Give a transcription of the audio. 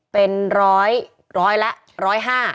เป็นร้อยร้อยละร้อยห้า